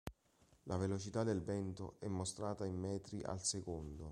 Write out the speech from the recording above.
La velocità del vento è mostrata in metri al secondo.